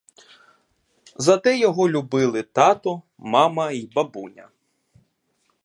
За те його любили тато, мама й бабуня.